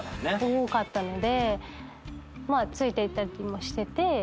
多かったのでついていったりもしてて。